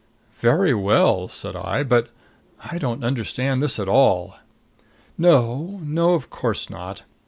"Very well," said I. "But I don't understand this at all." "No of course not.